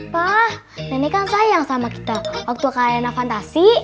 pa nenek kan sayang sama kita waktu kalena fantasi